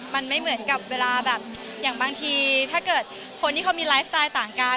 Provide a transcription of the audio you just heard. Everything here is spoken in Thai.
มันไม่เหมือนกับเวลาแบบอย่างบางทีถ้าเกิดคนที่เขามีไลฟ์สไตล์ต่างกัน